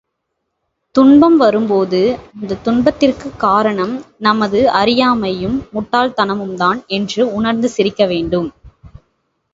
துன்பம் வரும்போது, அந்தத் துன்பத்திற்குக் காரணம் நமது அறியாமையும் முட்டாள்தனமும்தான் என்று உணர்ந்து சிரிக்க வேண்டும்.